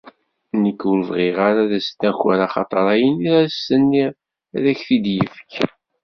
Nekk ur bɣiɣ ara ad as-d-naker axateṛ ayen i as-tenniḍ ad ak-t-id-yefk.